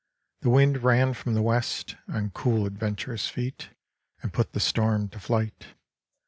The wind ran from the west On cool adventurous feet And put the storm to flight.